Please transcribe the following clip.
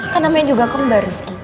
kan namanya juga kembar